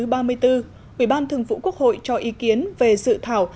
ủy ban thường vụ quốc hội cho ý kiến về dự thảo